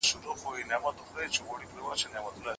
اميل دورکهايم د ځان وژنې څلور ډولونه وړاندې کړل.